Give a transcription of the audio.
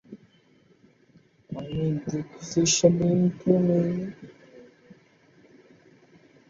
তার বিশ্ববিদ্যালয়ের অবস্থানের মধ্যে প্রিন্সটন, হার্ভার্ড, মিশিগান, মিনেসোটা এবং নিউ ইয়র্ক বিশ্ববিদ্যালয়ের পোস্ট রয়েছে।